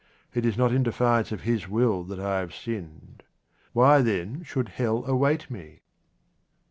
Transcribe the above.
It is not in defiance of His will that I have sinned. Why, then, should hell await me